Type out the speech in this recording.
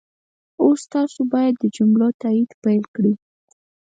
اوس تاسو باید د جملو تایید پيل کړئ.